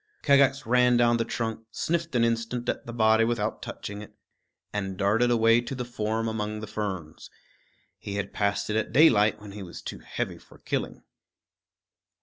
Kagax ran down the trunk, sniffed an instant at the body without touching it, and darted away to the form among the ferns. He had passed it at daylight when he was too heavy for killing.